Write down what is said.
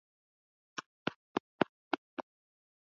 na bwana hamisi kwa kupitia nishati hii ambayo imekuwa ikitumia jua